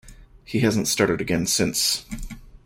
He hasn't started again since.